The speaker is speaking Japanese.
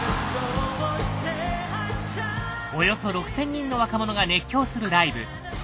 およそ６，０００人の若者が熱狂するライブ。